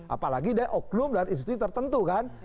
apalagi dari oknum dan institusi tertentu kan